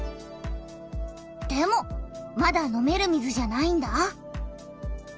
でもまだ飲める水じゃないんだ。